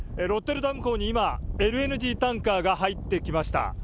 ロッテルダム港に今、ＬＮＧタンカーが入ってきました。